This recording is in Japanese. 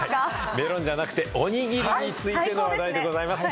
メロンじゃなくておにぎりについての話題です。